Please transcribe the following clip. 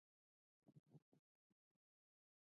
خلک د واکمنو پسې وخت بدلوي.